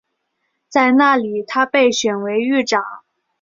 在那里他被选为狱长。